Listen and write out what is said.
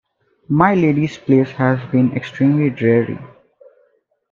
My Lady's place has been extremely dreary.